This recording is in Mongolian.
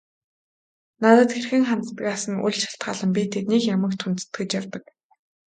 Надад хэрхэн ханддагаас нь үл шалтгаалан би тэднийг ямагт хүндэтгэж явдаг.